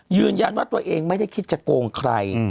ยืนยันว่าตัวเองไม่ได้คิดจะโกงใคร